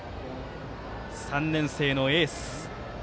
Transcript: ３年生のエース。